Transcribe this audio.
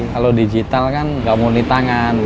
kalau digital kan nggak muni tangan